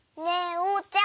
おうちゃん。